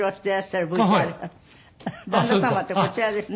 旦那様ってこちらですね。